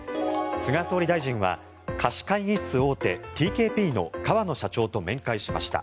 菅総理大臣は貸し会議室大手ＴＫＰの河野社長と面会しました。